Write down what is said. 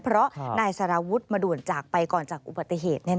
เพราะนายสาราวุธมาด่วนจากไปก่อนจากอุปัตติเหตุเนี่ย